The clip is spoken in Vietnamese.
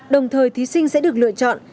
đồng thời thí sinh sẽ được lựa chọn